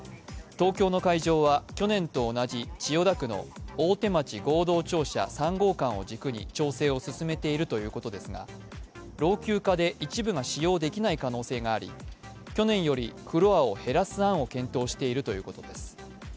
東京の会場は去年と同じ千代田区の大手町合同庁舎３号館を軸に調整を進めているということですが、老朽化で一部が使用できない可能性があり、去年よりフロアを減らす案を検討しているということです。